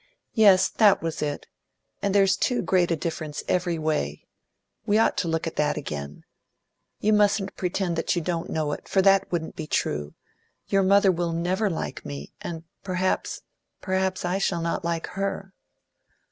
"Yes, that was it; and there is too great a difference every way. We ought to look at that again. You mustn't pretend that you don't know it, for that wouldn't be true. Your mother will never like me, and perhaps perhaps I shall not like her."